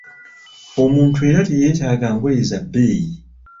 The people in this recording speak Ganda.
Omuntu era teyetaaga ngoye za bbeeyi.